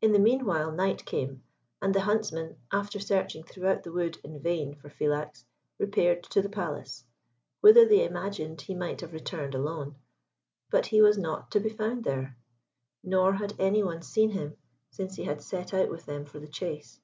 In the meanwhile night came, and the huntsmen, after searching throughout the wood in vain for Philax, repaired to the Palace, whither they imagined he might have returned alone; but he was not to be found there, nor had any one seen him since he had set out with them for the chase.